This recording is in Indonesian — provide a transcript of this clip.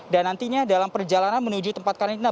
dan nantinya dalam perjalanan menuju tempat karantina